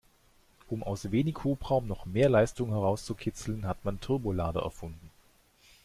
Um aus wenig Hubraum noch mehr Leistung herauszukitzeln, hat man Turbolader erfunden.